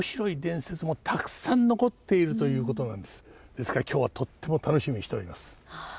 ですから今日はとっても楽しみにしております。